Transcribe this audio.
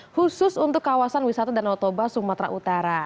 khusus untuk kawasan wisata danau toba sumatera utara